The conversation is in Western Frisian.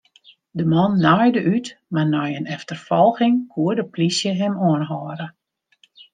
De man naaide út, mar nei in efterfolging koe de polysje him oanhâlde.